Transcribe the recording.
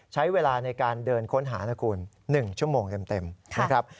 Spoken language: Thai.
ใช้เวลาในการเดินค้นหานะคุณ๑ชั่วโมงเต็มนะครับ